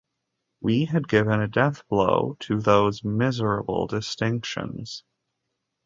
We had given a death-blow to those miserable distinctions.